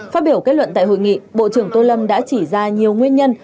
phát biểu kết luận tại hội nghị bộ trưởng tô lâm đã chỉ ra nhiều nguyên nhân